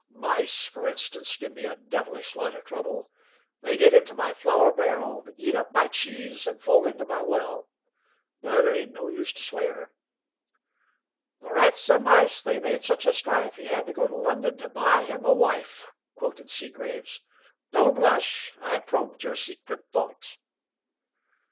Mice, f'r instance, give me a devilish lot o' trouble. They get into my flour barrel, eat up my cheese, an' fall into my well. But it ain't no use t' swear." Seagraves quoted an old rhyme: "'The rats and the mice they made such a strife He had to go to London to buy him a wife.'" "Don't blush. I've probed your secret thought."